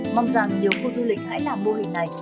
mong rằng nhiều khu du lịch hãy làm mô hình này